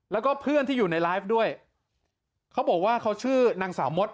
แล้วก็เพื่อนที่อยู่ในไลฟ์ด้วยเขาบอกว่าเขาชื่อนางสาวมด